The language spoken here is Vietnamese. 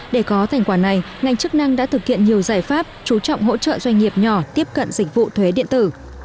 để có thành quả này ngành chức năng đã thực hiện nhiều giải pháp chú trọng hỗ trợ doanh nghiệp nhỏ tiếp cận dịch vụ thuế điện tử